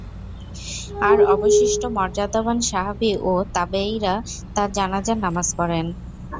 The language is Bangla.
আর অবশিষ্ট মর্যাদাবান সাহাবী ও তাবেয়ীরা তার জানাযার নামায পড়েন।